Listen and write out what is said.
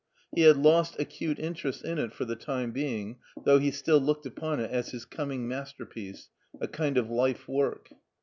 He had lost acute interest in it for the time being, though he still looked t^n it as his coming masterpiece, a kind of life work.